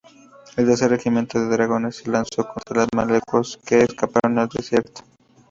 El tercer regimiento de dragones se lanzó contra los mamelucos, que escaparon al desierto.